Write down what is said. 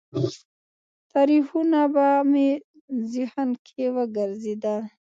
تاریخونه به مې ذهن کې وګرځېدل.